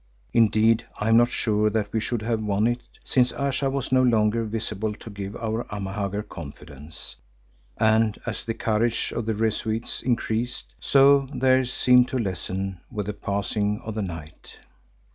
Indeed I am not sure that we should have won it, since Ayesha was no longer visible to give our Amahagger confidence, and as the courage of the Rezuites increased, so theirs seemed to lessen with the passing of the night.